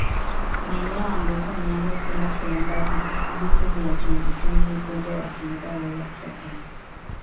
Maeneo ambapo wanyama hupenda kulamba vitu vya chumvichumvi ugonjwa wa kimeta huweza kutokea